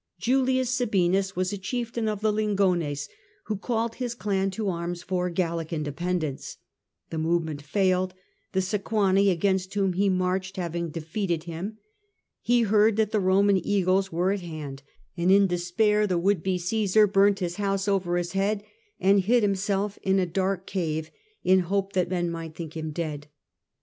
Julius Sabinus was a chieftain of the Lingones who called his clan to arms for Gallic independence. The move ment failed the Sequani against whom he the Kuching marched having defeated him. He heard that the Roman eagles were at hand, and in despair love, the would be Cmsar burnt his house over his head and hid himself in a dark cave, in hope that men might think him dead.